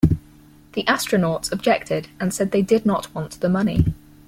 The astronauts objected and said they did not want the money.